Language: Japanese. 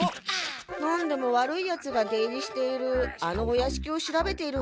何でも悪いヤツが出入りしているあのおやしきを調べているんだって。